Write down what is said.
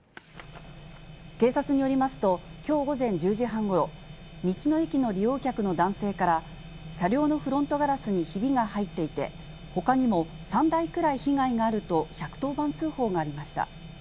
警察によりますと、きょう午前１０時半ごろ、道の駅の利用客の男性から、車両のフロントガラスにひびが入っていて、ほかにも３台くらい被害があると１１０番通報がありました。